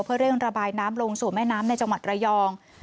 เพื่อเร่งระบายน้ำลงสู่แม่น้ำในจังหวัดระยอง